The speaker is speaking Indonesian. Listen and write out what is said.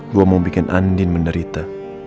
gua mau bikin andin menderita